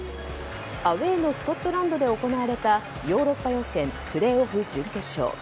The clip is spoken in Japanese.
アウェーのスコットランドで行われたヨーロッパ予選プレーオフ準決勝。